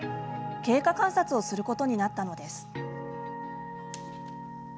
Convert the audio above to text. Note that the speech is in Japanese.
経過観察することになったのです。